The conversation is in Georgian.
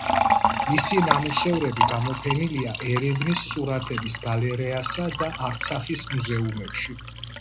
მისი ნამუშევრები გამოფენილია ერევნის სურათების გალერეასა და არცახის მუზეუმებში.